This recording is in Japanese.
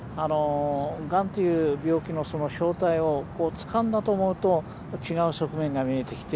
がんという病気の正体をつかんだと思うと違う側面が見えてきて